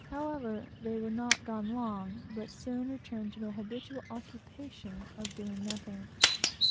However, they were not gone long, but soon returned to their habitual occupation of doing nothing.